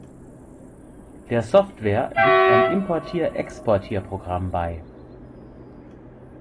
Der Software liegt ein Importier-Exportier-Programm bei.